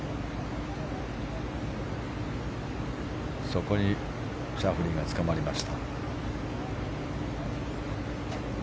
そこにシャフリーがつかまりました。